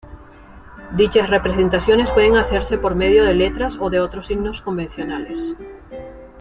Dichas representaciones pueden hacerse por medio de letras o de otros signos convencionales.